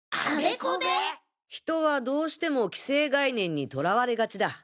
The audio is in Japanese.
人はどうしても既成概念にとらわれがちだ。